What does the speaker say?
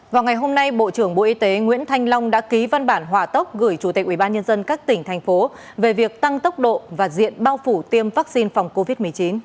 vào ngày hôm nay bộ trưởng bộ y tế nguyễn thanh long đã ký văn bản hòa tốc gửi chủ tịch ubnd các tỉnh thành phố về việc tăng tốc độ và diện bao phủ tiêm vaccine phòng covid một mươi chín